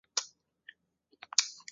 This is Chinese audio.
质疑该校的做法可能违规。